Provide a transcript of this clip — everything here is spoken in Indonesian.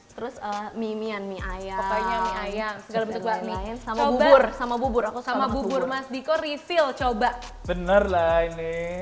terus mian mi ayam ayam sama bubur sama bubur sama bubur mas diko refill coba bener lah ini